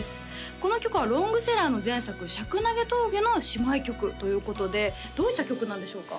この曲はロングセラーの前作「しゃくなげ峠」の姉妹曲ということでどういった曲なんでしょうか？